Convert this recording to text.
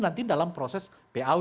nanti dalam proses paw